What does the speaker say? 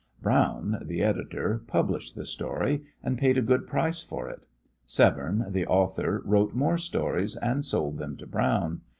Brown, the editor, published the story, and paid a good price for it. Severne, the author, wrote more stories, and sold them to Brown.